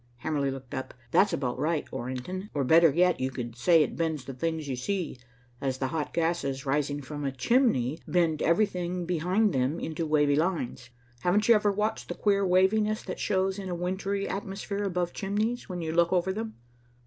Hamerly looked up. "That's about right, Orrington. Or better yet, you could say it bends the things you see, as the hot gases rising from a chimney bend everything behind them into wavy lines. Haven't you ever watched the queer waviness that shows in a wintry atmosphere above chimneys, when you look over them?"